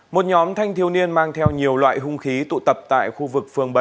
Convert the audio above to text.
một nhóm thanh thiếu niên mang theo nhiều loại hung khí tụ tập tại khu vực phường bảy